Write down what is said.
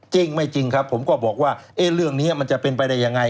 จริงไม่จริงครับผมก็บอกว่าเรื่องนี้มันจะเป็นไปได้ยังไง